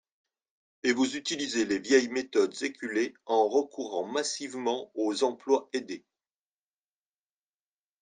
Et vous utilisez les vieilles méthodes éculées en recourant massivement aux emplois aidés.